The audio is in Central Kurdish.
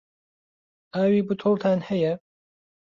ئاوی بوتڵتان هەیە؟